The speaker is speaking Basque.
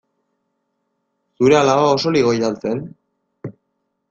Zure alaba oso ligoia al zen?